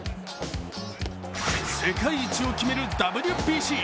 世界一を決めるＷＢＣ。